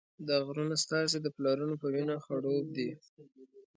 دا غرونه ستاسې د پلرونو په وینه خړوب دي.